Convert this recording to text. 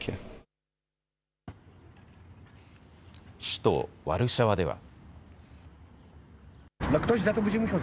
首都ワルシャワでは。